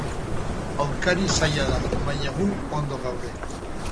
Aurkari zaila da, baina gu ondo gaude.